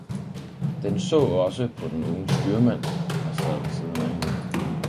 den så også på den unge styrmand, der sad ved siden af hende.